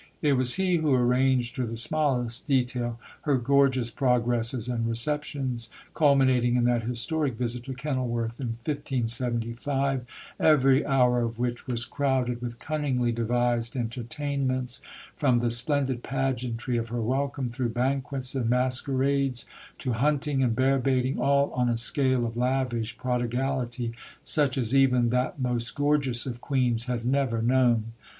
It was he who arranged to the smallest detail her gorgeous progresses and receptions, culminating in that historic visit to Kenilworth in 1575, every hour of which was crowded with cunningly devised entertainments from the splendid pageantry of her welcome, through banquets and masquerades, to hunting and bear baiting all on a scale of lavish prodigality such as even that most gorgeous of Queens had never known.